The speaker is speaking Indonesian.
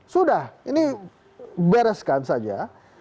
sudah ini bereskan saja